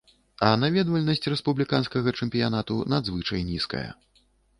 А наведвальнасць рэспубліканскага чэмпіянату надзвычай нізкая.